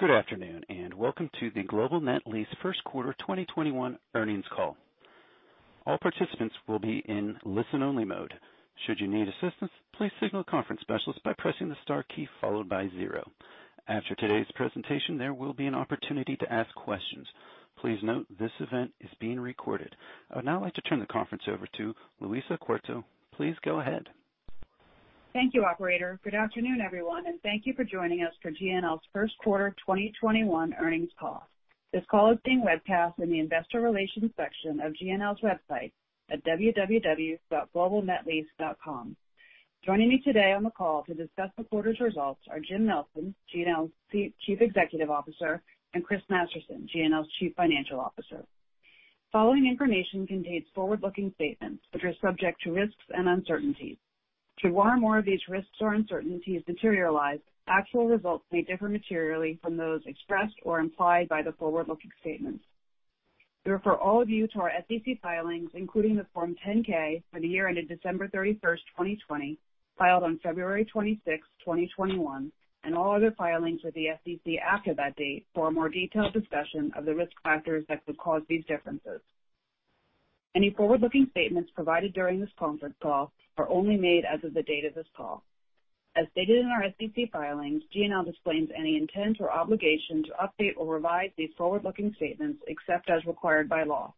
Good afternoon, welcome to the Global Net Lease first quarter 2021 earnings call. All participants will be in listen-only mode. After today's presentation, there will be an opportunity to ask questions. Please note this event is being recorded. I would now like to turn the conference over to Louisa Quarto. Please go ahead. Thank you, operator. Good afternoon, everyone, and thank you for joining us for GNL's first quarter 2021 earnings call. This call is being webcast in the investor relations section of GNL's website at www.globalnetlease.com. Joining me today on the call to discuss the quarter's results are Jim Nelson, GNL's Chief Executive Officer, and Chris Masterson, GNL's Chief Financial Officer. The following information contains forward-looking statements which are subject to risks and uncertainties. Should one or more of these risks or uncertainties materialize, actual results may differ materially from those expressed or implied by the forward-looking statements. We refer all of you to our SEC filings, including the Form 10-K for the year ended December 31st, 2020, filed on February 26th, 2021, and all other filings with the SEC after that date for a more detailed discussion of the risk factors that could cause these differences. Any forward-looking statements provided during this conference call are only made as of the date of this call. As stated in our SEC filings, GNL disclaims any intent or obligation to update or revise these forward-looking statements except as required by law.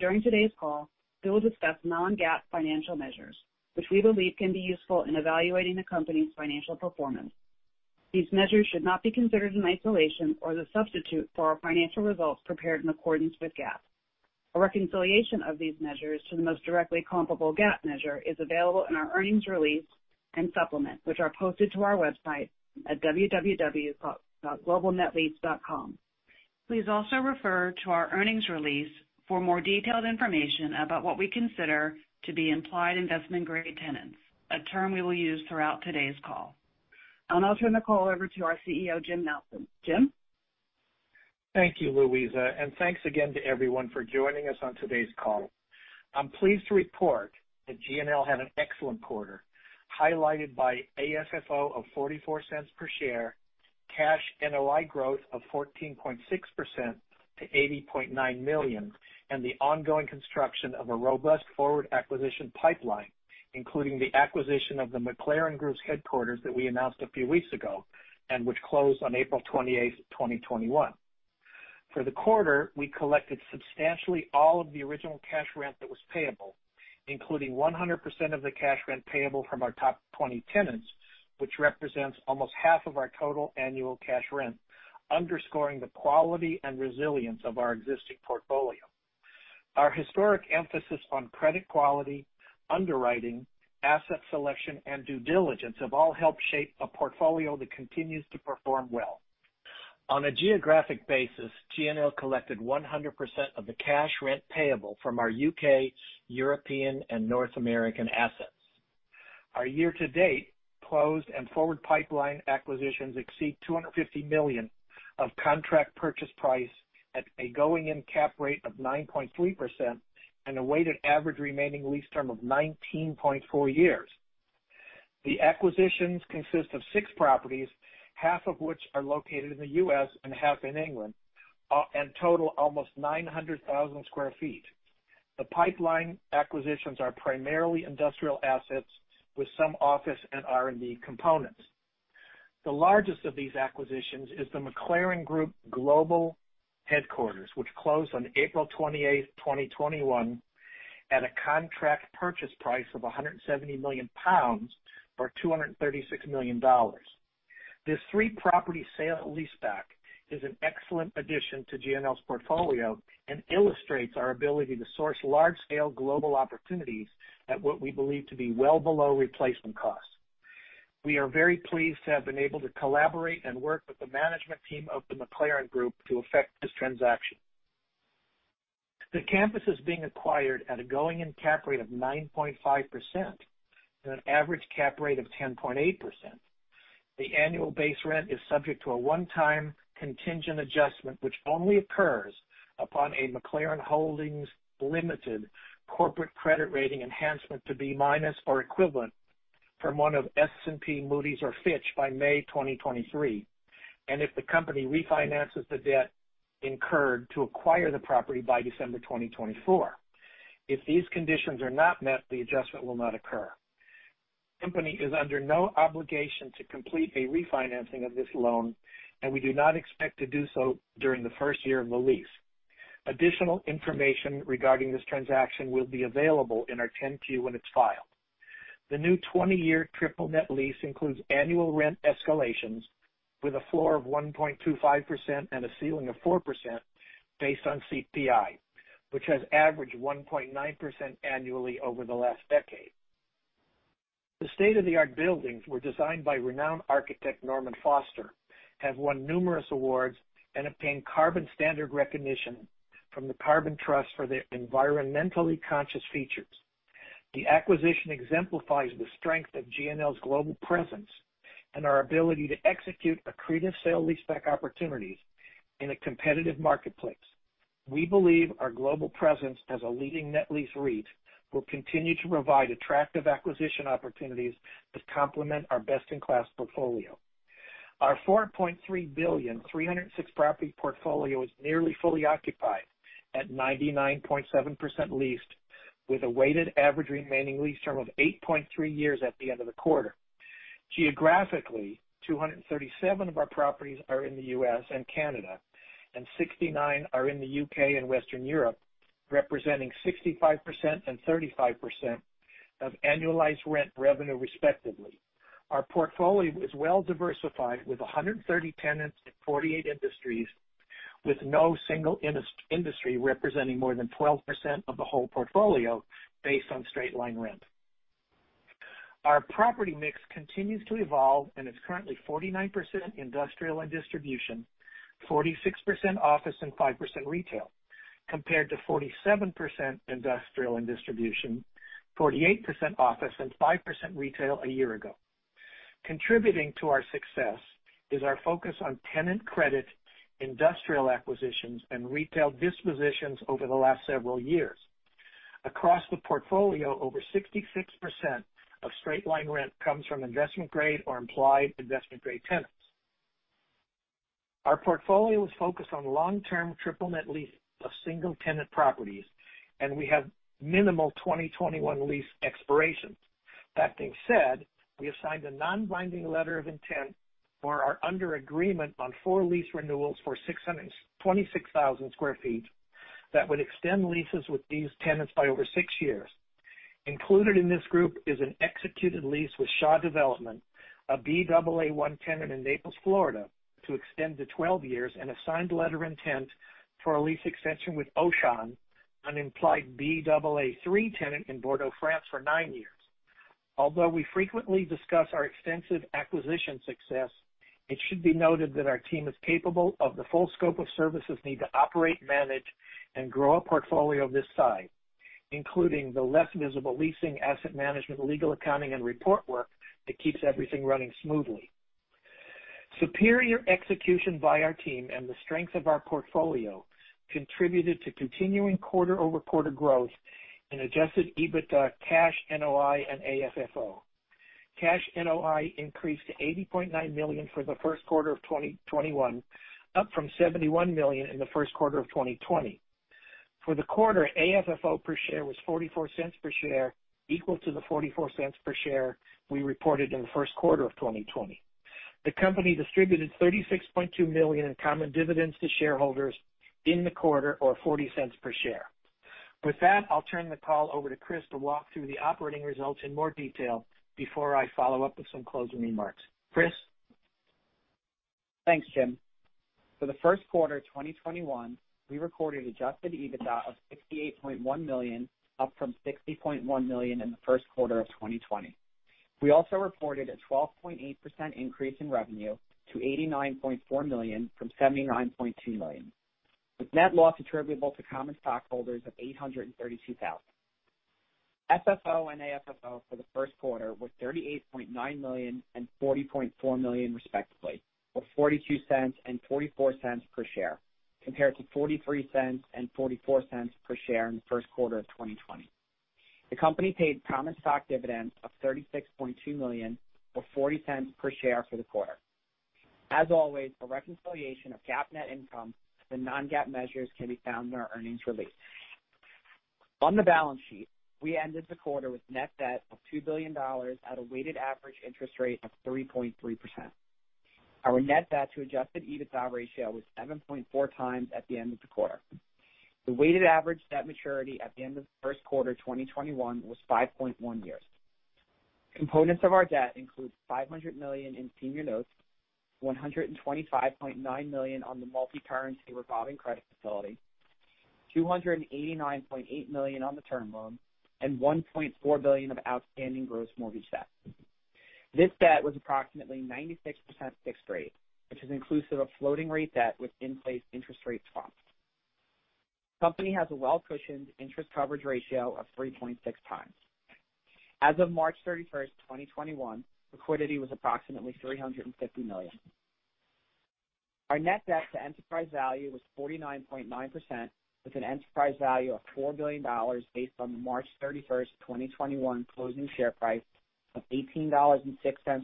During today's call, we will discuss non-GAAP financial measures, which we believe can be useful in evaluating the company's financial performance. These measures should not be considered in isolation or as a substitute for our financial results prepared in accordance with GAAP. A reconciliation of these measures to the most directly comparable GAAP measure is available in our earnings release and supplement, which are posted to our website at www.globalnetlease.com. Please also refer to our earnings release for more detailed information about what we consider to be implied investment-grade tenants, a term we will use throughout today's call. I'll now turn the call over to our CEO, Jim Nelson. Jim? Thank you, Louisa, and thanks again to everyone for joining us on today's call. I'm pleased to report that GNL had an excellent quarter, highlighted by AFFO of $0.44 per share, cash NOI growth of 14.6% to $80.9 million, and the ongoing construction of a robust forward acquisition pipeline, including the acquisition of the McLaren Group's headquarters that we announced a few weeks ago and which closed on April 28th, 2021. For the quarter, we collected substantially all of the original cash rent that was payable, including 100% of the cash rent payable from our top 20 tenants, which represents almost half of our total annual cash rent, underscoring the quality and resilience of our existing portfolio. Our historic emphasis on credit quality, underwriting, asset selection, and due diligence have all helped shape a portfolio that continues to perform well. On a geographic basis, GNL collected 100% of the cash rent payable from our U.K., European, and North American assets. Our year-to-date closed and forward pipeline acquisitions exceed $250 million of contract purchase price at a going-in cap rate of 9.3% and a weighted average remaining lease term of 19.4 years. The acquisitions consist of six properties, half of which are located in the U.S. and half in England, and total almost 900,000 sq ft. The pipeline acquisitions are primarily industrial assets with some office and R&D components. The largest of these acquisitions is the McLaren Group global headquarters, which closed on April 28th, 2021, at a contract purchase price of 170 million pounds or $236 million. This three-property sale-leaseback is an excellent addition to GNL's portfolio and illustrates our ability to source large-scale global opportunities at what we believe to be well below replacement costs. We are very pleased to have been able to collaborate and work with the management team of the McLaren Group to effect this transaction. The campus is being acquired at a going-in cap rate of 9.5% and an average cap rate of 10.8%. The annual base rent is subject to a one-time contingent adjustment, which only occurs upon a McLaren Holdings Limited corporate credit rating enhancement to B- or equivalent from one of S&P, Moody's, or Fitch by May 2023, and if the company refinances the debt incurred to acquire the property by December 2024. If these conditions are not met, the adjustment will not occur. The company is under no obligation to complete a refinancing of this loan, and we do not expect to do so during the first year of the lease. Additional information regarding this transaction will be available in our 10-Q when it's filed. The new 20-year triple net lease includes annual rent escalations with a floor of 1.25% and a ceiling of 4% based on CPI, which has averaged 1.9% annually over the last decade. The state-of-the-art buildings were designed by renowned architect Norman Foster, have won numerous awards, and obtained carbon standard recognition from the Carbon Trust for their environmentally conscious features. The acquisition exemplifies the strength of GNL's global presence and our ability to execute accretive sale-leaseback opportunities in a competitive marketplace. We believe our global presence as a leading net lease REIT will continue to provide attractive acquisition opportunities to complement our best-in-class portfolio. Our $4.3 billion 306 property portfolio is nearly fully occupied at 99.7% leased, with a weighted average remaining lease term of 8.3 years at the end of the quarter. Geographically, 237 of our properties are in the U.S. and Canada, and 69 are in the U.K. and Western Europe, representing 65% and 35% of annualized rent revenue, respectively. Our portfolio is well-diversified, with 130 tenants in 48 industries, with no single industry representing more than 12% of the whole portfolio based on straight-line rent. Our property mix continues to evolve and is currently 49% industrial and distribution, 46% office, and 5% retail, compared to 47% industrial and distribution, 48% office, and 5% retail a year ago. Contributing to our success is our focus on tenant credit, industrial acquisitions, and retail dispositions over the last several years. Across the portfolio, over 66% of straight-line rent comes from investment-grade or implied investment-grade tenants. Our portfolio is focused on long-term triple net lease of single-tenant properties, and we have minimal 2021 lease expirations. That being said, we have signed a non-binding letter of intent for our under agreement on four lease renewals for 626,000 sq ft that would extend leases with these tenants by over six years. Included in this group is an executed lease with Shaw Development, a Baa1 tenant in Naples, Florida, to extend to 12 years and a signed letter of intent for a lease extension with Auchan, an implied Baa3 tenant in Bordeaux, France, for nine years. Although we frequently discuss our extensive acquisition success, it should be noted that our team is capable of the full scope of services needed to operate, manage, and grow a portfolio of this size, including the less visible leasing asset management, legal accounting, and report work that keeps everything running smoothly. Superior execution by our team and the strength of our portfolio contributed to continuing quarter-over-quarter growth in adjusted EBITDA, cash NOI, and AFFO. Cash NOI increased to $80.9 million for the first quarter of 2021, up from $71 million in the first quarter of 2020. For the quarter, AFFO per share was $0.44 per share, equal to the $0.44 per share we reported in the first quarter of 2020. The company distributed $36.2 million in common dividends to shareholders in the quarter, or $0.40 per share. With that, I'll turn the call over to Chris to walk through the operating results in more detail before I follow up with some closing remarks. Chris? Thanks, Jim. For the first quarter 2021, we recorded Adjusted EBITDA of $68.1 million, up from $60.1 million in the first quarter of 2020. We also reported a 12.8% increase in revenue to $89.4 million from $79.2 million, with net loss attributable to common stockholders of $832,000. FFO and AFFO for the first quarter was $38.9 million and $40.4 million, respectively, or $0.42 and $0.44 per share, compared to $0.43 and $0.44 per share in the first quarter of 2020. The company paid common stock dividends of $36.2 million or $0.40 per share for the quarter. As always, a reconciliation of GAAP net income to non-GAAP measures can be found in our earnings release. On the balance sheet, we ended the quarter with net debt of $2 billion at a weighted average interest rate of 3.3%. Our net debt to adjusted EBITDA ratio was 7.4x at the end of the quarter. The weighted average debt maturity at the end of the first quarter 2021 was 5.1 years. Components of our debt include $500 million in senior notes, $125.9 million on the multi-currency revolving credit facility, $289.8 million on the term loan, and $1.4 billion of outstanding gross mortgage debt. This debt was approximately 96% fixed rate, which is inclusive of floating rate debt with in-place interest rate swaps. Company has a well-cushioned interest coverage ratio of 3.6x. As of March 31st, 2021, liquidity was approximately $350 million. Our net debt to enterprise value was 49.9%, with an enterprise value of $4 billion based on the March 31st, 2021 closing share price of $18.06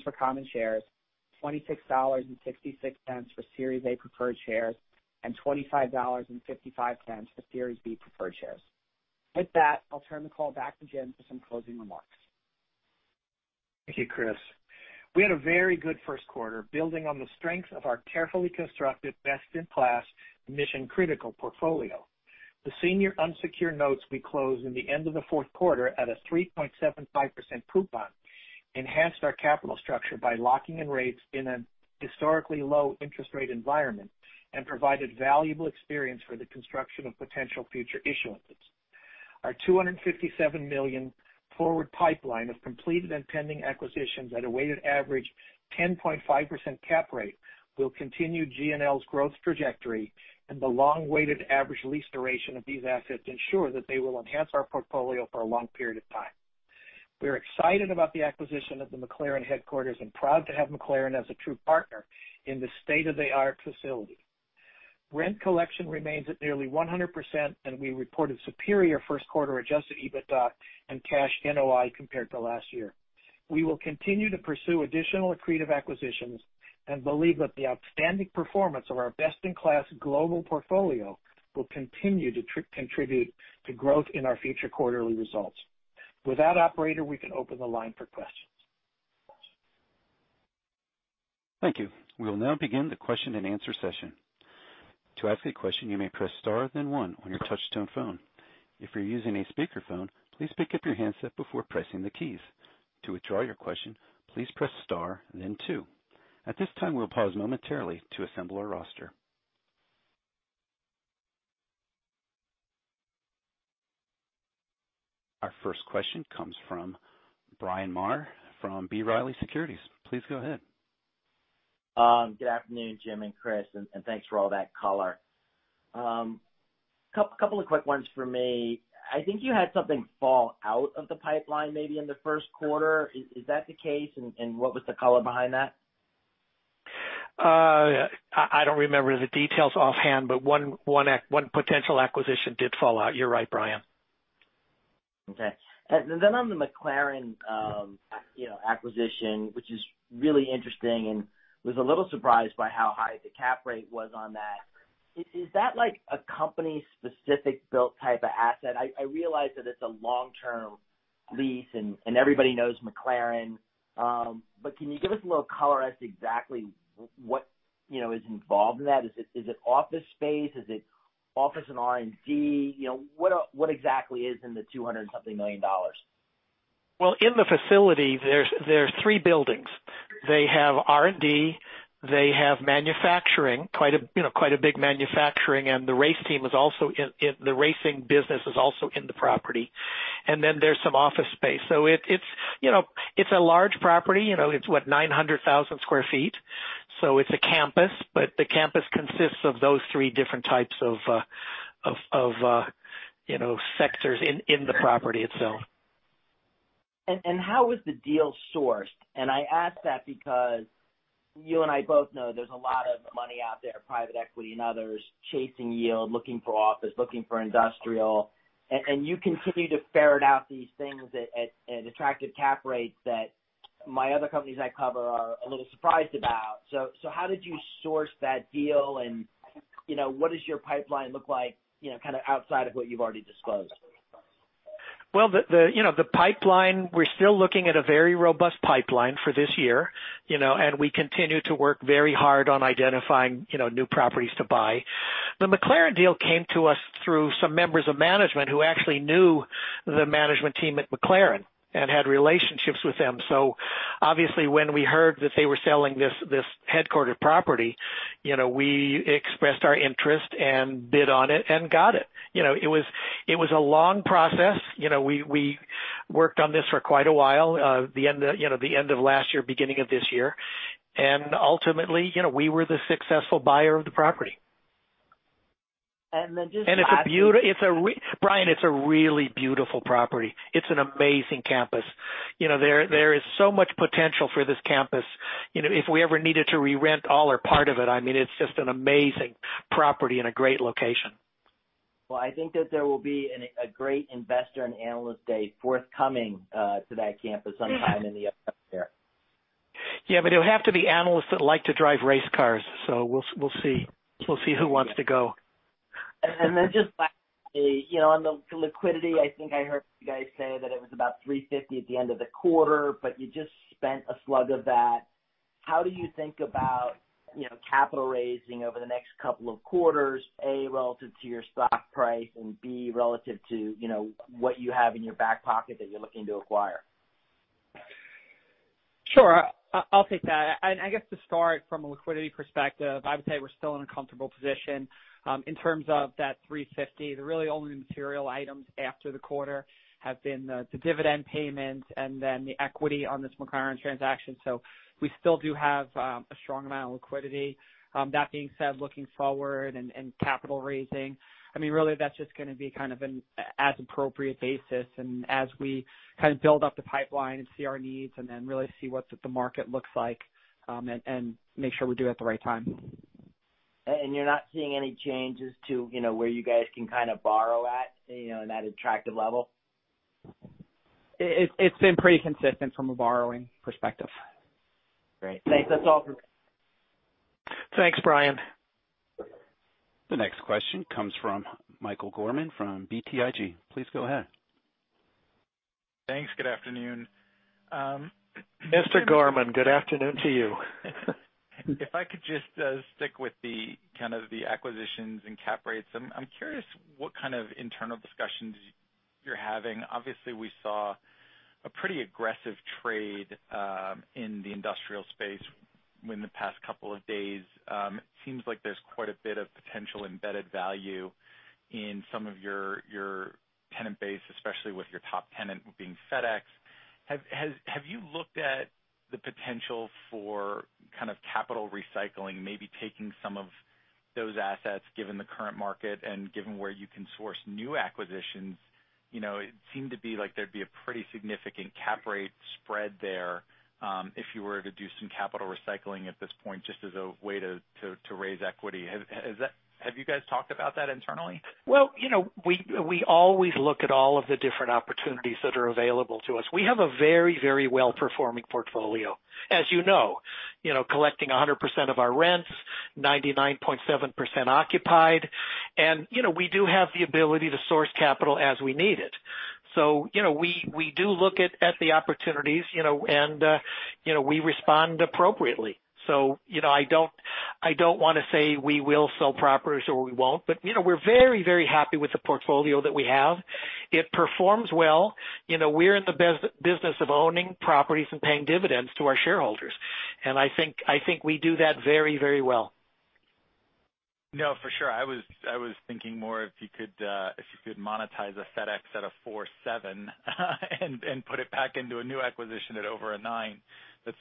for common shares, $26.66 for Series A preferred shares, and $25.55 for Series B preferred shares. With that, I'll turn the call back to Jim for some closing remarks. Thank you, Chris. We had a very good first quarter, building on the strength of our carefully constructed, best-in-class mission-critical portfolio. The senior unsecured notes we closed in the end of the fourth quarter at a 3.75% coupon enhanced our capital structure by locking in rates in a historically low interest rate environment and provided valuable experience for the construction of potential future issuances. Our $257 million forward pipeline of completed and pending acquisitions at a weighted average 10.5% cap rate will continue GNL's growth trajectory, and the long-weighted average lease duration of these assets ensure that they will enhance our portfolio for a long period of time. We're excited about the acquisition of the McLaren headquarters and proud to have McLaren as a true partner in this state-of-the-art facility. Rent collection remains at nearly 100%, and we reported superior first quarter adjusted EBITDA and cash NOI compared to last year. We will continue to pursue additional accretive acquisitions and believe that the outstanding performance of our best-in-class global portfolio will continue to contribute to growth in our future quarterly results. With that, operator, we can open the line for questions. Thank you. Our first question comes from Bryan Maher from B. Riley Securities. Please go ahead. Good afternoon, Jim and Chris. Thanks for all that color. Couple of quick ones from me. I think you had something fall out of the pipeline maybe in the first quarter. Is that the case? What was the color behind that? I don't remember the details offhand, but one potential acquisition did fall out. You're right, Bryan. Okay. On the McLaren acquisition, which is really interesting, and was a little surprised by how high the cap rate was on that. Is that like a company specific built type of asset? I realize that it's a long-term lease, and everybody knows McLaren. Can you give us a little color as to exactly what is involved in that? Is it office space? Is it office and R&D? What exactly is in the $200 and something million? Well, in the facility, there's three buildings. They have R&D. They have manufacturing, quite a big manufacturing, and the racing business is also in the property. There's some office space. It's a large property. It's what? 900,000 sq ft. It's a campus, but the campus consists of those three different types of sectors in the property itself. How was the deal sourced? I ask that because you and I both know there's a lot of money out there, private equity and others chasing yield, looking for office, looking for industrial. You continue to ferret out these things at attractive cap rates that my other companies I cover are a little surprised about. How did you source that deal, and what does your pipeline look like kind of outside of what you've already disclosed? The pipeline, we're still looking at a very robust pipeline for this year. We continue to work very hard on identifying new properties to buy. The McLaren deal came to us through some members of management who actually knew the management team at McLaren and had relationships with them. Obviously, when we heard that they were selling this headquartered property, we expressed our interest and bid on it and got it. It was a long process. We worked on this for quite a while. The end of last year, beginning of this year. Ultimately, we were the successful buyer of the property. And then just last. Bryan, it's a really beautiful property. It's an amazing campus. There is so much potential for this campus. If we ever needed to re-rent all or part of it, I mean, it's just an amazing property and a great location. Well, I think that there will be a great investor and analyst day forthcoming to that campus sometime in the upcoming year. It'll have to be analysts that like to drive race cars. We'll see. We'll see who wants to go. Just lastly, on the liquidity, I think I heard you guys say that it was about $350 at the end of the quarter, but you just spent a slug of that. How do you think about capital raising over the next couple of quarters, A, relative to your stock price, and B, relative to what you have in your back pocket that you're looking to acquire? Sure. I'll take that. I guess to start from a liquidity perspective, I would say we're still in a comfortable position. In terms of that $350, the really only material items after the quarter have been the dividend payment and then the equity on this McLaren transaction. We still do have a strong amount of liquidity. That being said, looking forward and capital raising, I mean, really that's just going to be kind of an as appropriate basis, and as we kind of build up the pipeline and see our needs and then really see what the market looks like, and make sure we do it at the right time. You're not seeing any changes to where you guys can kind of borrow at, in that attractive level? It's been pretty consistent from a borrowing perspective. Great. Thanks. That's all from me. Thanks, Bryan. The next question comes from Michael Gorman from BTIG. Please go ahead. Thanks. Good afternoon. Mr. Gorman, good afternoon to you. If I could just stick with the kind of the acquisitions and cap rates. I'm curious what kind of internal discussions you're having. Obviously, we saw a pretty aggressive trade in the industrial space in the past couple of days. It seems like there's quite a bit of potential embedded value in some of your tenant base, especially with your top tenant being FedEx. Have you looked at the potential for kind of capital recycling, maybe taking some of those assets, given the current market and given where you can source new acquisitions. It seemed to be like there'd be a pretty significant cap rate spread there if you were to do some capital recycling at this point, just as a way to raise equity. Have you guys talked about that internally? Well, we always look at all of the different opportunities that are available to us. We have a very well-performing portfolio. As you know, collecting 100% of our rents, 99.7% occupied. We do have the ability to source capital as we need it. We do look at the opportunities, and we respond appropriately. I don't want to say we will sell properties or we won't, but we're very happy with the portfolio that we have. It performs well. We're in the business of owning properties and paying dividends to our shareholders. I think we do that very well. No, for sure. I was thinking more if you could monetize a FedEx at a four seven and put it back into a new acquisition at over a nine, that's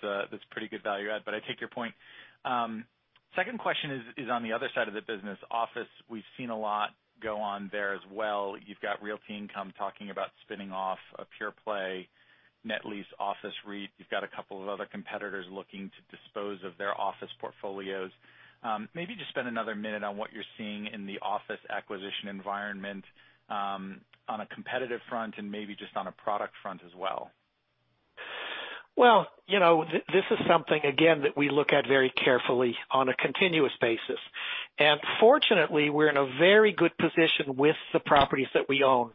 pretty good value add. I take your point. Second question is on the other side of the business. Office, we've seen a lot go on there as well. You've got Realty Income talking about spinning off a pure play net lease office REIT. You've got a couple of other competitors looking to dispose of their office portfolios. Maybe just spend another minute on what you're seeing in the office acquisition environment, on a competitive front and maybe just on a product front as well. Well, this is something, again, that we look at very carefully on a continuous basis. Fortunately, we're in a very good position with the properties that we own.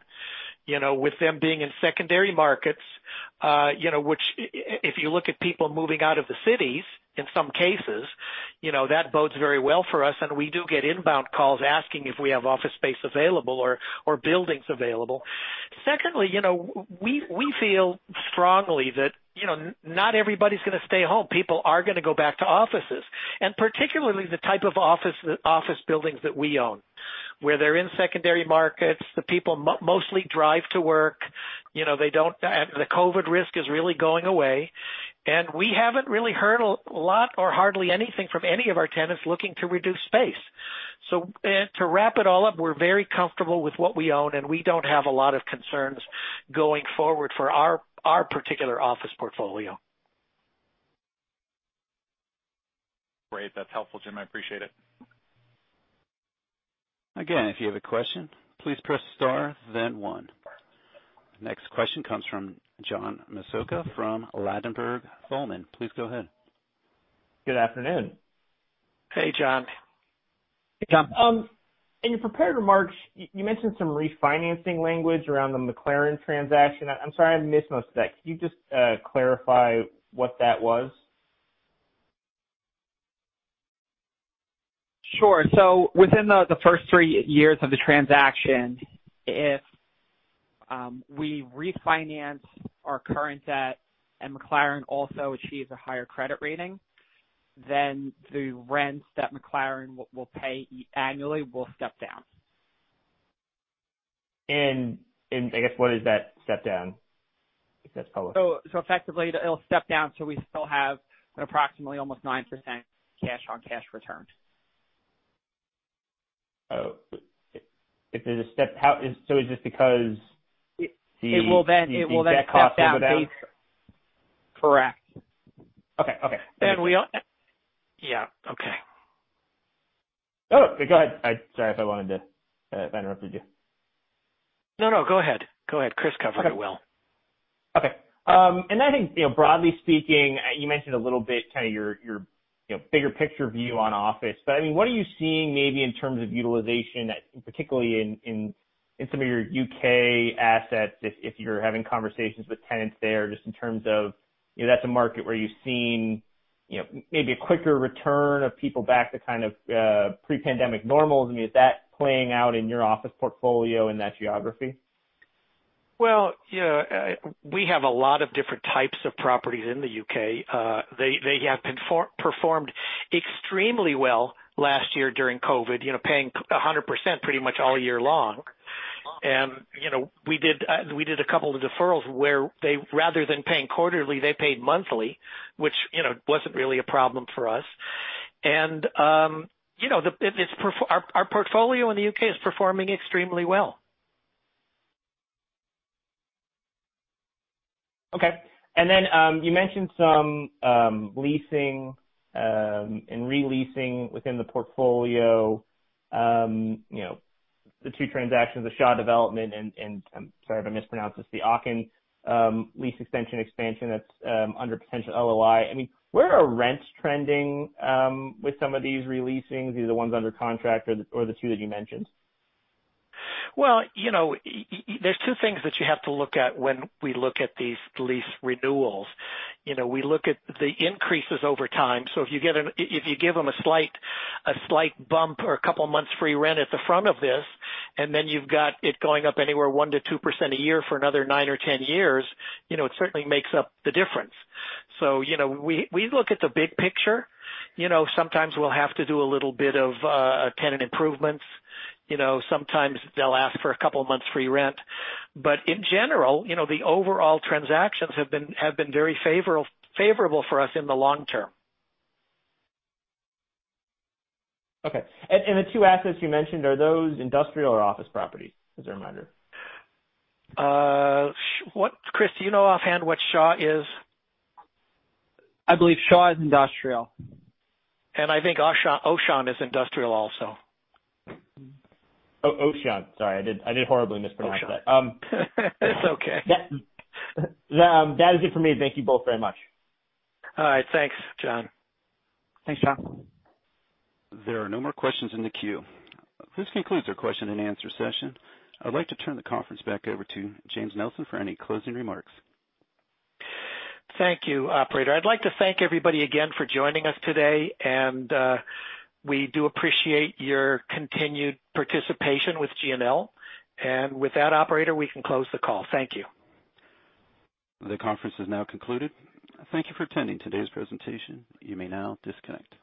With them being in secondary markets, which, if you look at people moving out of the cities, in some cases, that bodes very well for us, and we do get inbound calls asking if we have office space available or buildings available. Secondly, we feel strongly that not everybody's going to stay home. People are going to go back to offices. Particularly the type of office buildings that we own. Where they're in secondary markets, the people mostly drive to work. The COVID risk is really going away. We haven't really heard a lot or hardly anything from any of our tenants looking to reduce space. To wrap it all up, we're very comfortable with what we own, and we don't have a lot of concerns going forward for our particular office portfolio. Great. That's helpful, Jim, I appreciate it. If you have a question, please press star then one. Next question comes from John Massocca from Ladenburg Thalmann. Please go ahead. Good afternoon. Hey, John. Hey, John. In your prepared remarks, you mentioned some refinancing language around the McLaren transaction. I'm sorry, I missed most of that. Can you just clarify what that was? Sure. Within the first three years of the transaction, if we refinance our current debt and McLaren also achieves a higher credit rating, then the rents that McLaren will pay annually will step down. I guess, what is that step down? If that's public. Effectively, it'll step down till we still have an approximately almost 9% cash on cash return. Oh. Is this because? It will then step down. Correct. Okay. Yeah. Okay. Oh, go ahead. Sorry if I interrupted you. No, go ahead. Chris covered it well. Okay. I think, broadly speaking, you mentioned a little bit your bigger picture view on office, but what are you seeing maybe in terms of utilization, particularly in some of your U.K. assets, if you're having conversations with tenants there, just in terms of that's a market where you're seeing maybe a quicker return of people back to pre-pandemic normal. Is that playing out in your office portfolio in that geography? Well, we have a lot of different types of properties in the U.K. They have performed extremely well last year during COVID, paying 100% pretty much all year long. We did a couple of deferrals where rather than paying quarterly, they paid monthly, which wasn't really a problem for us. Our portfolio in the U.K. is performing extremely well. Okay. You mentioned some leasing and re-leasing within the portfolio. The two transactions, the Shaw Development and, I'm sorry if I mispronounced this, the Auchan lease extension expansion that's under potential LOI. Where are rents trending with some of these re-leasings, either the ones under contract or the two that you mentioned? There's two things that you have to look at when we look at these lease renewals. We look at the increases over time. If you give them a slight bump or a couple of months free rent at the front of this, and then you've got it going up anywhere 1%-2% a year for another nine or 10 years, it certainly makes up the difference. We look at the big picture. Sometimes we'll have to do a little bit of tenant improvements. Sometimes they'll ask for a couple of months free rent. In general, the overall transactions have been very favorable for us in the long term. Okay. The two assets you mentioned, are those industrial or office properties, as a reminder? Chris, do you know offhand what Shaw is? I believe Shaw is industrial. I think Auchan is industrial also. Auchan. Sorry, I did horribly mispronounce that. It's okay. That is it for me. Thank you both very much. All right. Thanks, John. Thanks, John. There are no more questions in the queue. This concludes our question-and-answer session. I'd like to turn the conference back over to James Nelson for any closing remarks. Thank you, operator. I'd like to thank everybody again for joining us today, and we do appreciate your continued participation with GNL. With that, operator, we can close the call. Thank you. The conference is now concluded. Thank you for attending today's presentation. You may now disconnect.